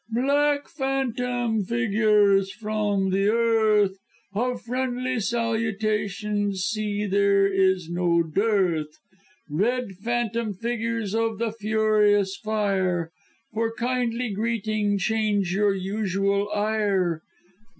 Black phantom figures from the earth, Of friendly salutations see there is no dearth. Red phantom figures of the furious fire, For kindly greeting change your usual ire.